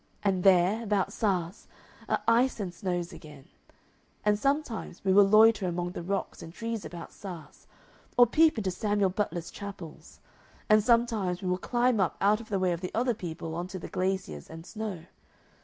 And there, about Saas, are ice and snows again, and sometimes we will loiter among the rocks and trees about Saas or peep into Samuel Butler's chapels, and sometimes we will climb up out of the way of the other people on to the glaciers and snow.